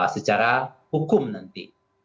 secara hukum nanti